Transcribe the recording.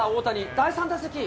第３打席。